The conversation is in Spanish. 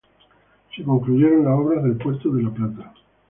Se concluyeron las obras del Puerto de La Plata.